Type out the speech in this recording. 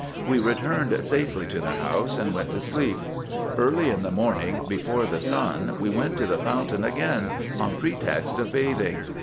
We returned safely to the house, and went to sleep. Early in the morning, before the sun, we went to the fountain again, on pretext of bathing.